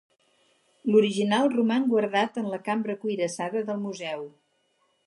L'original roman guardat en la cambra cuirassada del museu.